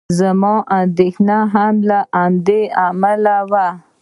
زما اندېښنه هم له همدې امله وه.